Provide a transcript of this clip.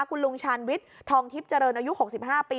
คุณลุงชาญวิทย์ทองทิพย์เจริญอายุ๖๕ปี